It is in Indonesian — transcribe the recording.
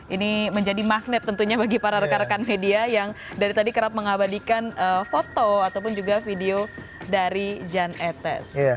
ini menjadi magnet tentunya bagi para rekan rekan media yang dari tadi kerap mengabadikan foto ataupun juga video dari jan etes